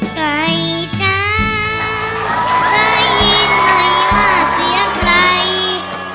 กลัยจ๋าได้ยินไหมว่าเสียงใหล